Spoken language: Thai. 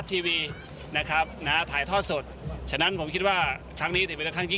ถ้าคนไหนมาไม่ได้